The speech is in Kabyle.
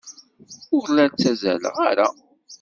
Ur la ttazzaleɣ ara.